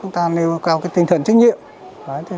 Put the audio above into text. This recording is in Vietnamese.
nêu cao tinh thần trách nhiệm